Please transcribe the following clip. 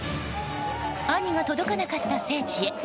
兄が届かなかった聖地へ。